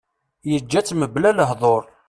Yeǧǧa-tt mebla lehdur.